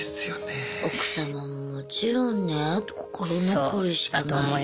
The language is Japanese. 奥様ももちろんね心残りしかない。